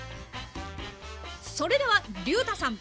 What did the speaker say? それではりゅうたさん！